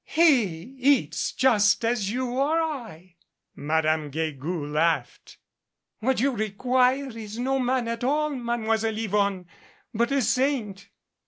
"He eats just as you or I." Madame Guegou laughed. "What you require is no man at all. Mademoiselle Yvonne, but a saint."